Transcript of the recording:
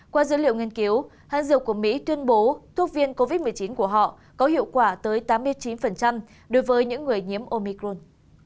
qua dữ liệu nghiên cứu hán dược của mỹ tuyên bố thuốc viện covid một mươi chín của họ có hiệu quả tới tám mươi chín đối với những người nhiễm omicron